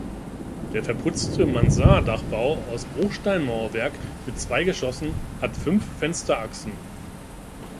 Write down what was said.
Der verputzte Mansarddachbau aus Bruchsteinmauerwerk mit zwei Geschossen hat fünf Fensterachsen.